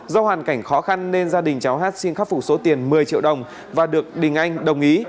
do hoàn cảnh khó khăn nên gia đình cháu hát xin khắc phục số tiền một mươi triệu đồng và được đình anh đồng ý